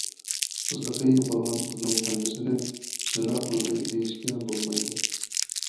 قىزلىقى يوقالغان قىزنىڭ ھەممىسىنى زىنا قىلدى دېيىشكە بولمايدۇ.